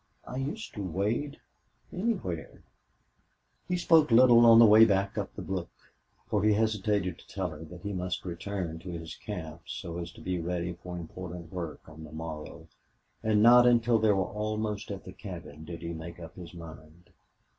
"I used to wade anywhere." He spoke little on the way back up the brook, for he hesitated to tell her that he must return to his camp so as to be ready for important work on the morrow, and not until they were almost at the cabin did he make up his mind.